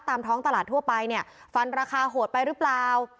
ท้องตลาดทั่วไปเนี่ยฟันราคาโหดไปหรือเปล่า